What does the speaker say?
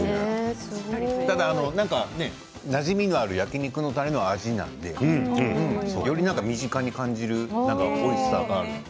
ただなじみのある焼き肉のたれの味なのでより身近に感じるおいしさがある。